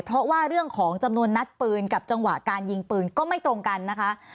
เพราะว่าเรื่องของจำนวนนัดปืนกับจังหวะการยิงปืนก็ไม่ตรงกันนะคะ